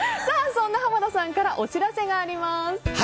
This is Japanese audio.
そんな濱田さんからお知らせがあります。